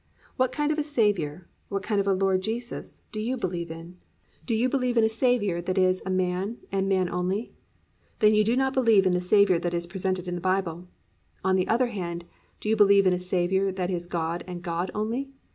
What kind of a Saviour, what kind of a Lord Jesus, do you believe in? Do you believe in a Saviour that is a man and man only? Then you do not believe in the Saviour that is presented in the Bible. On the other hand, do you believe in a Saviour that is God and God only?